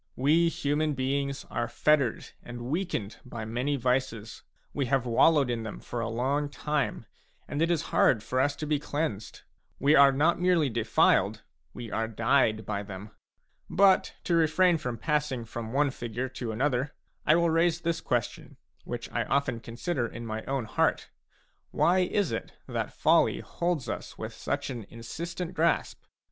We human beings are fettered and weakened by many vices ; we have wallowed in them for a long time, and it is hard for us to be cleansed. We are not merely defiled ; we are dyed by them. But, to refrain from passing from one figure & to another, I will raise this question, which I often consider in my own heart : why is it that folly holds us with such an insistent grasp